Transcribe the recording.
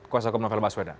kuasa komunafil baswedan